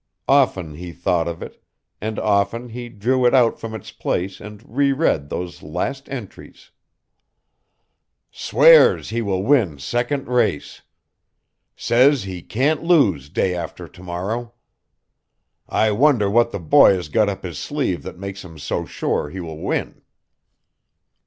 Often he thought of it, and often he drew it out from its place and reread those last entries: "Swears he will win second race," "Says he can't lose day after to morrow," "I wonder what the boy has got up his sleeve that makes him so sure he will win?"